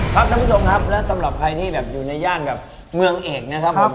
ท่านผู้ชมครับและสำหรับใครที่แบบอยู่ในย่านแบบเมืองเอกนะครับผม